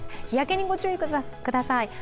日焼けにご注意ください。